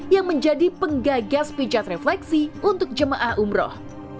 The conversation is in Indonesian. yang menjadi penggagas pijat refleksi untuk jemaah umroh